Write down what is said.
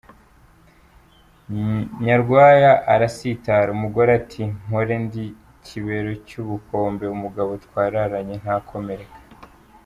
Nyarwaya arasitara, umugore, ati “Mpore ndi Kibero cy’ubukombe umugabo twararanye ntakomereka”.